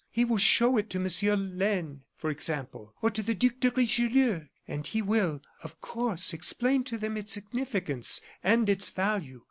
He will show it to Monsieur Laine, for example or to the Duc de Richelieu; and he will, of course, explain to them its significance and its value.